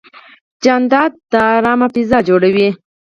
جانداد د ارام فضا جوړوي.